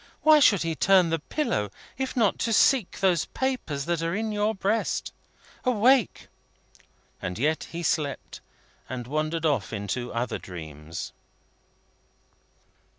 Why should he turn the pillow, if not to seek those papers that are in your breast? Awake!" And yet he slept, and wandered off into other dreams.